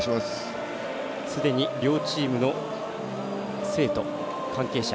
すでに両チームの生徒、関係者